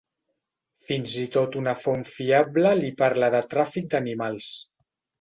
Fins i tot una font fiable li parla de tràfic d'animals.